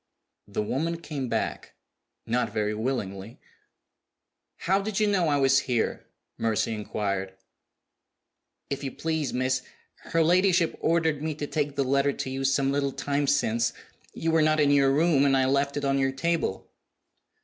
The woman came back not very willingly. "How did you know I was here?" Mercy inquired. "If you please, miss, her ladyship ordered me to take the letter to you some little time since. You were not in your room, and I left it on your table."